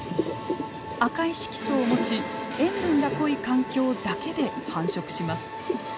赤い色素を持ち塩分が濃い環境だけで繁殖します。